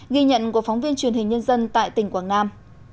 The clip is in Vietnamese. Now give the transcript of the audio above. ghi nhận của phóng viên truyền hình nhân dân tại tỉnh quảng nam